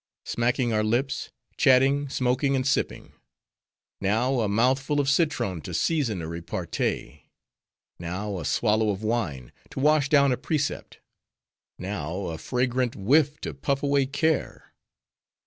Smacking our lips, chatting, smoking, and sipping. Now a mouthful of citron to season a repartee; now a swallow of wine to wash down a precept; now a fragrant whiff to puff away care.